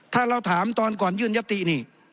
ถ้าเราถามตอนก่อนยื่นยตินี่